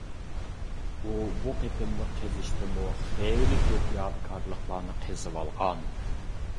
ئۇ بۇ قېتىملىق قېزىشتىمۇ خېلى كۆپ يادىكارلىقلارنى قېزىۋالغان.